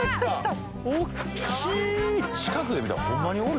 おっきい。